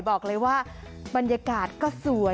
บอกเลยว่าบรรยากาศก็สวย